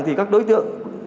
thì các đối tượng